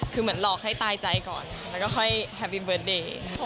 คือเหมือนหลอกให้ตายใจก่อนแล้วก็ค่อยแฮปปี้เบิร์ตเดย์